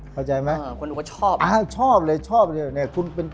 เข้าใจมั้ย